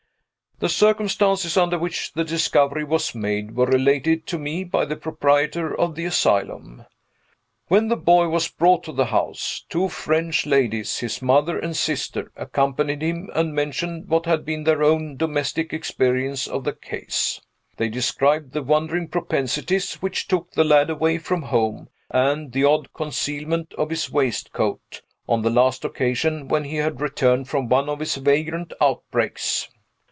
The circumstances under which the discovery was made were related to me by the proprietor of the asylum. When the boy was brought to the house, two French ladies (his mother and sister) accompanied him and mentioned what had been their own domestic experience of the case. They described the wandering propensities which took the lad away from home, and the odd concealment of his waistcoat, on the last occasion when he had returned from one of his vagrant outbreaks.